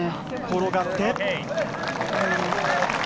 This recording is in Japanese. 転がって。